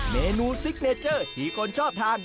เมนูซิกเนเจอร์ที่คนชอบทาน